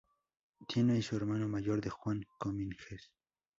Tiene y es hermano mayor de Juan Cominges.